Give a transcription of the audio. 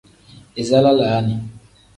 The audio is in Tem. Iza lalaani.